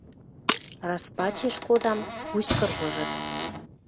Раз пачеш кодам, пусть кыргыжыт!